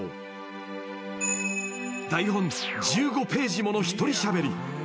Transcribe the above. ［台本１５ページもの一人しゃべり］